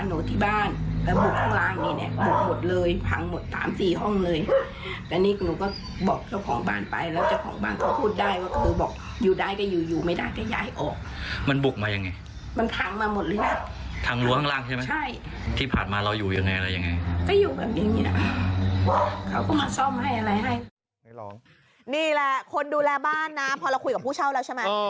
นี่แหละคนดูแลบ้านนะพอเราคุยกับผู้เช่าแล้วใช่ไหม